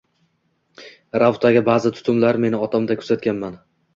Raufdagi ba’zi tutumlarni men otamda kuzatganman.